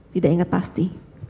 tidak ingat pasti